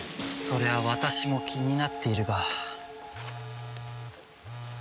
それは私も気になっているが。